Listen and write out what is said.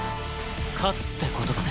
勝つって事だね。